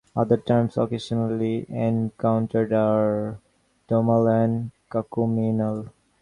Other terms occasionally encountered are domal and cacuminal.